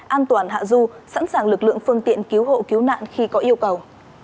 an toàn hạ du sẵn sàng lực lượng phương tiện cứu hộ cứu nạn khi có yêu cầu